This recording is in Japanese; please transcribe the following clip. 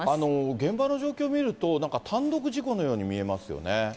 現場の状況見ると、なんか単独事故のように見えますよね。